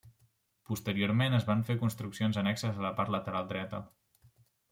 Posteriorment es van fer construccions annexes a la part lateral dreta.